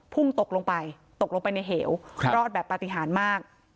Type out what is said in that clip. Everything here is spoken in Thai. พุ่งตกลงไปตกลงไปในเหวรอดแบบปฏิหารมาก